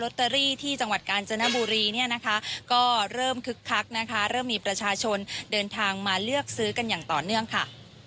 ที่จังหวัดกาญจนบุรีเนี่ยนะคะก็เริ่มคึกคักนะคะเริ่มมีประชาชนเดินทางมาเลือกซื้อกันอย่างต่อเนื่องค่ะ